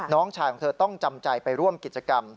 น้องชายของเธอต้องจำใจไปร่วมกิจกรรม